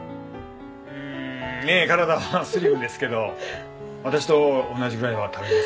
うんねえ体はスリムですけど私と同じぐらいは食べますね。